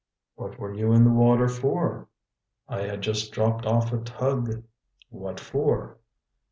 "What were you in the water for?" "I had just dropped off a tug." "What for?"